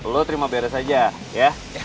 lo terima beres aja ya